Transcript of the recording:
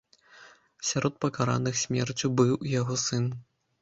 Сярод пакараных смерцю быў і яго сын.